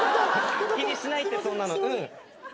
気にしないってそんなの。